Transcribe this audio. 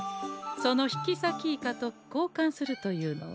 その引きさきイカとこうかんするというのは？